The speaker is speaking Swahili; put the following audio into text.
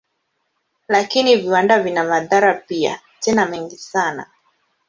Lakini viwanda vina madhara pia, tena mengi sana.